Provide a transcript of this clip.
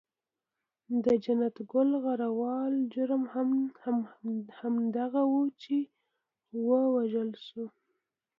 د جنت ګل غروال جرم هم همدغه وو چې و وژل شو.